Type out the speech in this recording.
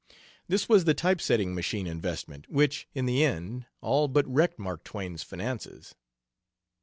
This was the type setting machine investment, which, in the end, all but wrecked Mark Twain's finances.